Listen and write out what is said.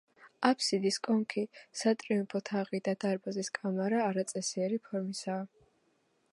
აფსიდის კონქი, სატრიუმფო თაღი და დარბაზის კამარა არაწესიერი ფორმისაა.